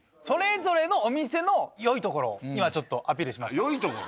それぞれのお店のよいところを今ちょっとアピールしました。